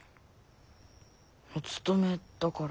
お務めだから。